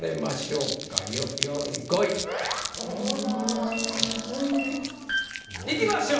・うん・いきましょう。